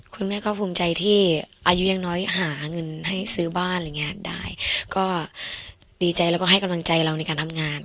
คุณแม่ก็ภูมิใจที่อายุยังน้อยหาเงินให้ซื้อบ้านอะไรอย่างเงี้ยได้ก็ดีใจแล้วก็ให้กำลังใจเราในการทำงาน